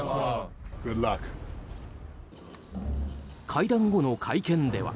会談後の会見では。